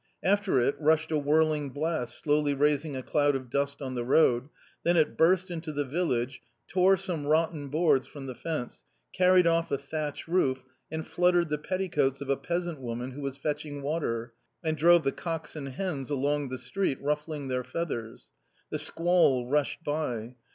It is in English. After it rushed a whirling blast slowly raising a cloud of dust on the road ; then it burst into the village, tore some rotten boards from the fence, carried off a thatch roof, and fluttered the petticoats of a peasant woman who was fetching water, and drove the cocks and hens along the street ruffling their feathers. The squall rushed by.